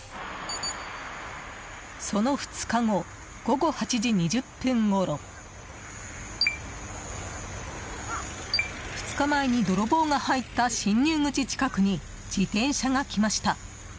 その２日後午後８時２０分ごろ２日前に泥棒が入った侵入口近くに自転車が来ました。